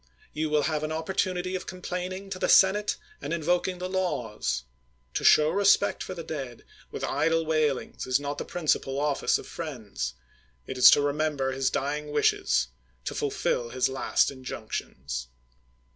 You will have an opportunity of complaining to the senate and invoking the laws. To show respect for the dead with idle wailings is not the principal office of friends — it is to re member his dying wishes, to fulfil his last in junctions.